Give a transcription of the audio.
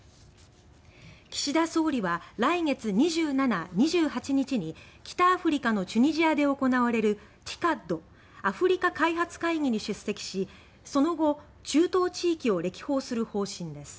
岸田総理は来月２７、２８日に北アフリカのチュニジアで行われるＴＩＣＡＤ・アフリカ開発会議に出席しその後、中東地域を歴訪する方針です。